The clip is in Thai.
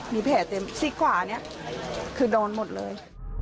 มีแผลเต็มซีกขวาเนี่ยคือโดนหมดเลย